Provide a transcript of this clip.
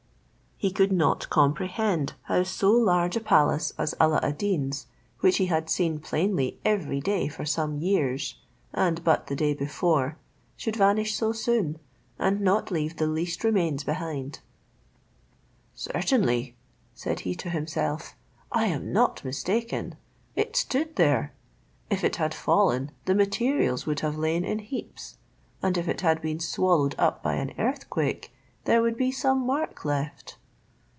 He could not comprehend how so large a palace as Alla ad Deen's, which he had seen plainly every day for some years, and but the day before, should vanish so soon, and not leave the least remains behind. "Certainly," said he to himself, "I am not mistaken; it stood there: if it had fallen, the materials would have lain in heaps; and if it had been swallowed up by an earthquake, there would be some mark left."